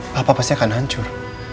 papa pasti akan hancur